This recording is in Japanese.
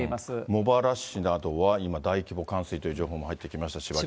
茂原市などは今、大規模冠水という情報入ってきました、千葉県。